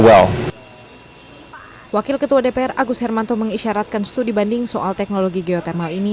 wakil ketua dpr agus hermanto mengisyaratkan studi banding soal teknologi geotermal ini